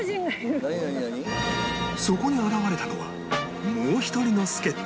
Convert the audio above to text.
そこに現れたのはもう１人の助っ人